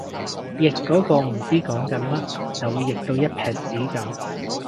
譯嗰個唔知講緊乜就會譯到一坺屎噉